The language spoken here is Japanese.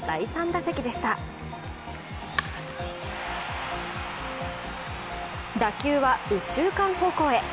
打球は右中間方向へ。